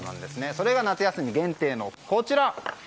それが夏休み限定のこちら。